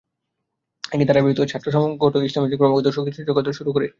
একই ধারাবাহিকতায় ছাত্রসংগঠনগুলোর মধ্যে ইসলামী ছাত্রশিবির ক্রমাগতভাবে শক্তি সঞ্চয় করতে শুরু করে।